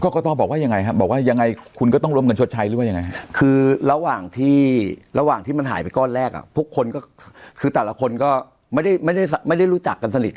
ก็คตบอกว่ายังไงครับบอกว่ายังไงคุณก็ต้องร่วมกันชดใช้หรือว่ายังไง